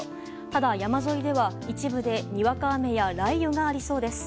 ただ、山沿いでは一部でにわか雨や雷雨がありそうです。